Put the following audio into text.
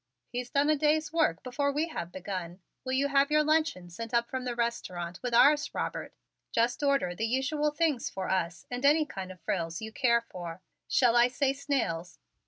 "He's done a day's work before we have begun. Will you have your luncheon sent up from the restaurant with ours, Robert? Just order the usual things for us and any kind of frills you care for. Shall I say snails?"